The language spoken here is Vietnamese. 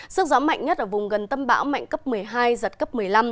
sức gió mạnh nhất ở vùng gần tâm bão mạnh cấp một mươi hai giật cấp một mươi năm